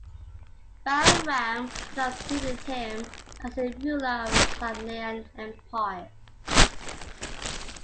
Bahram thus succeeded him as the ruler of the Sasanian Empire.